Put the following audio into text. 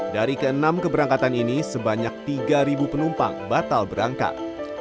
dari ke enam keberangkatan ini sebanyak tiga penumpang batal berangkat